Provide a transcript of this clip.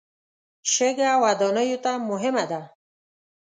شګه ودانیو ته مهمه ده.